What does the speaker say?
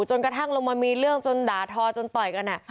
จนกระทั่งลงมามีเรื่องจนด่าทอจนต่อยกัน